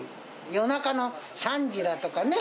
夜中の３時だとかね。